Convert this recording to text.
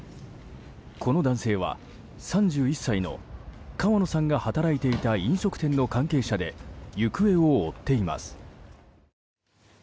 この男性は３１歳の川野さんが働いていた飲食店の関係者で行方を追っています。